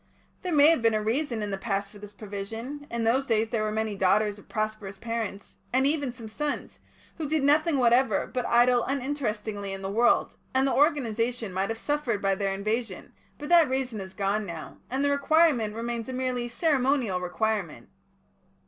There may have been a reason in the past for this provision; in those days there were many daughters of prosperous parents and even some sons who did nothing whatever but idle uninterestingly in the world, and the organisation might have suffered by their invasion, but that reason has gone now, and the requirement remains a merely ceremonial requirement.